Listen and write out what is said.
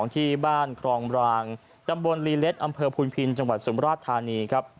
ที่บ้านครองรางตำบลลีเล็ดอำเภอพุนพินจังหวัดสุมราชธานีครับ